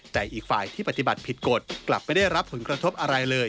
แต่อีกฝ่ายที่ปฏิบัติผิดกฎกลับไม่ได้รับผลกระทบอะไรเลย